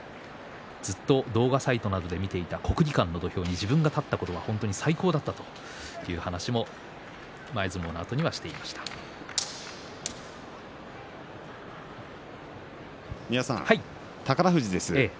ずっと動画サイトなどで見ていた国技館の土俵に自分が立ったことは本当に最高だったという話を宝富士です。